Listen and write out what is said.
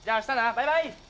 バイバイ！